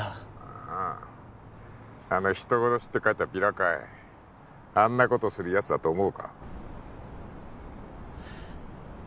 あああの人殺しって書いたビラかあんなことするやつだと思うか？